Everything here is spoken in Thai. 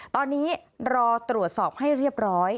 ตอนนี้รอตรวจสอบให้เรียบร้อย